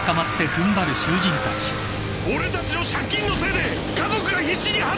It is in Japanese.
俺たちの借金のせいで家族が必死に働いてる！